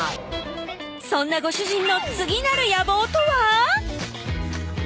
そんなご主人の次なる野望とは？